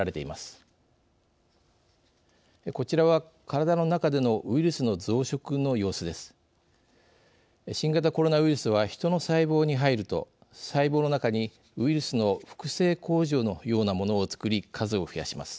新型コロナウイルスはヒトの細胞に入ると細胞の中にウイルスの複製工場のようなものを作り数を増やします。